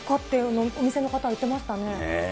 お店の方、言ってましたね。